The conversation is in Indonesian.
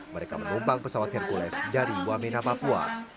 mereka menumpang pesawat hercules dari wamena papua